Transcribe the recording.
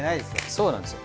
そうなんですよ。